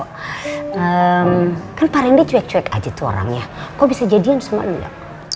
hmm kan pak randy cuek cuek aja tuh orangnya kok bisa jadian sama lu ya